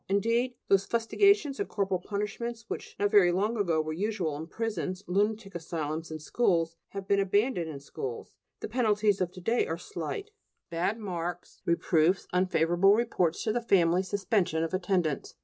Indeed, those fustigations and corporal punishments which not very long ago were usual in prisons, lunatic asylums, and schools have been abandoned in schools; the penalties of to day are slight: bad marks, reproofs, unfavorable reports to the family, suspension of attendance.